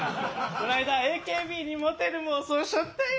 この間ＡＫＢにモテる妄想しちゃったよ。